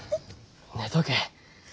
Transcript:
寝とけ。